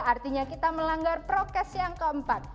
artinya kita melanggar prokes yang keempat